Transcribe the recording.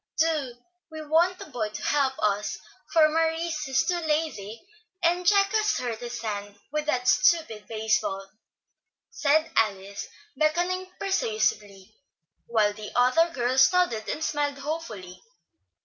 Do, we want a boy to help us, for Maurice is too lazy, and Jack has hurt his hand with that stupid base ball," said Alice, beckoning persuasively, while the other girls nodded and smiled hopefully.